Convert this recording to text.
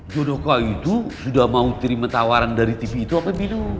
jodoka itu sudah mau terima tawaran dari tv itu apa belum